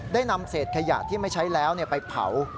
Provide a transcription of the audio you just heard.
ได้นำเศษขยะที่ไม่ใช้แล้วไปเผา